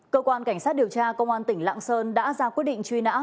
cơ quan cảnh sát điều tra công an tỉnh lạng sơn đã ra quyết định truy nã